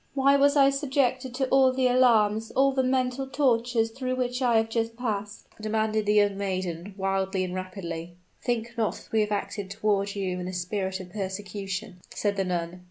why was I subjected to all the alarms all the mental tortures through which I have just passed?" demanded the young maiden, wildly and rapidly. "Think not that we have acted toward you in a spirit of persecution," said the nun.